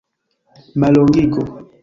mallongigo